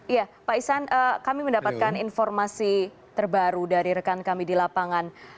iya pak isan kami mendapatkan informasi terbaru dari rekan kami di lapangan